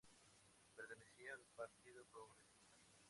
Pertenecía al Partido Progresista.